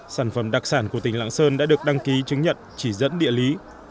sản phẩm đặc sản của tỉnh lạng sơn đã được đăng ký chứng nhận chỉ dẫn địa lý